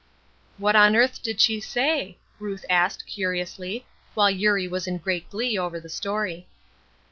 '" "What on earth did she say?" Ruth asked, curiously, while Eurie was in great glee over the story.